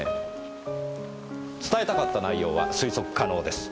伝えたかった内容は推測可能です。